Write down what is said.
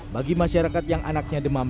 bagi masyarakat yang anaknya demam